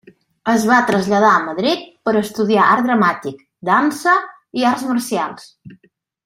Es va traslladar a Madrid per a estudiar art dramàtic, dansa i arts marcials.